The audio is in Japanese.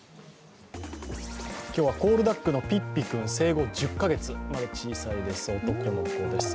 今日はコールダックのピッピ君生後１０カ月まだ小さいです、男の子です。